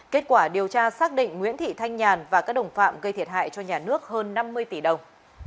kết quả điều tra xác định nguyễn thị thanh nhàn và các đồng phạm gây thiệt hại cho nhà nước hơn năm mươi tỷ đồng